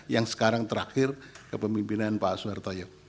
yang sekarang terakhir kepemimpinan pak suhartoyo